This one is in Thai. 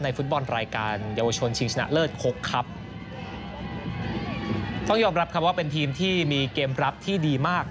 ฟุตบอลรายการเยาวชนชิงชนะเลิศคกครับต้องยอมรับครับว่าเป็นทีมที่มีเกมรับที่ดีมาก